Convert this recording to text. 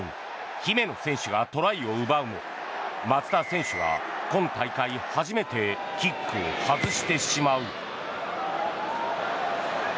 姫野選手がトライを奪うも松田選手が今大会初めてキックを外してしまう。